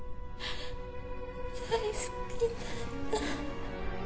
大好きだった